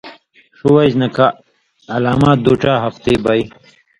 ݜُو وجہۡ نہ کہ علامات دُو ڇا ہفتی بئ